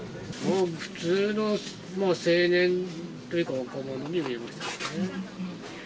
普通の青年というか、若者に見えましたけどね。